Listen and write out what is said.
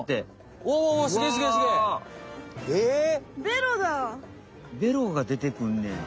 ベロがでてくんねや。